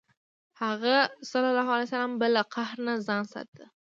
هغه ﷺ به له قهر نه ځان ساته.